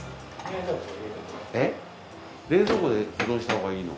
えっ冷蔵庫で保存したほうがいいの？